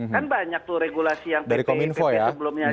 kan banyak tuh regulasi yang pt pt sebelumnya itu